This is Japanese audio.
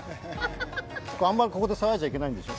ここであんまり騒いじゃいけないんでしょ？